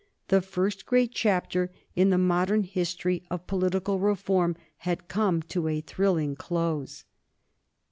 The first great chapter in the modern history of political reform had come to a thrilling close.